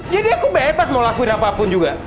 jadi aku bebas mau lakuin apapun juga